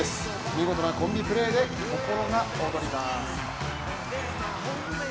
見事なコンビプレーで心が躍ります。